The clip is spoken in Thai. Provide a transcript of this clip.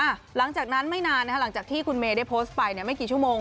หลังจากนั้นไม่นานนะฮะหลังจากที่คุณเมย์ได้โพสต์ไปเนี่ยไม่กี่ชั่วโมง